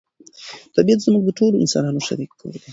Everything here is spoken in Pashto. طبیعت زموږ د ټولو انسانانو شریک کور دی.